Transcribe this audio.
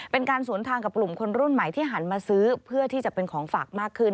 เป็นการสวนทางกับกลุ่มคนรุ่นใหม่ที่หันมาซื้อเพื่อที่จะเป็นของฝากมากขึ้น